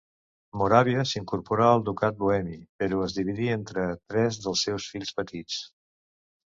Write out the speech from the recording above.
Moràvia s'incorporà al ducat bohemi, però es dividí entre tres dels seus fills petits.